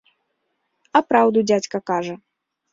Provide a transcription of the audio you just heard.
А праўду дзядзька кажа.